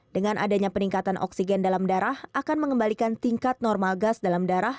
dengan adanya peningkatan oksigen dalam darah akan mengembalikan tingkat normal gas dalam darah